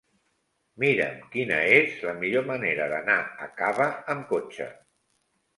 Mira'm quina és la millor manera d'anar a Cava amb cotxe.